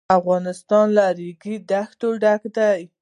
افغانستان له د ریګ دښتې ډک دی.